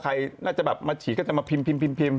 พอใครมาฉีกจะมาพิมพ์